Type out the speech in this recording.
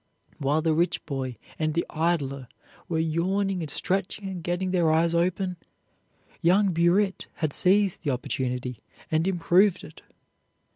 While the rich boy and the idler were yawning and stretching and getting their eyes open, young Burritt had seized the opportunity and improved it.